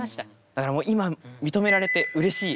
だからもう今認められてうれしい。